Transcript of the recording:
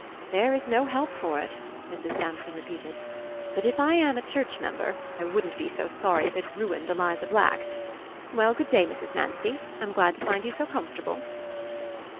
"There is no help for it," Mrs. Sampson repeated, "but if I AM a church member, I wouldn't be so sorry if it ruined Eliza Black. Well, good day, Mrs. Manstey; I'm glad to find you so comfortable."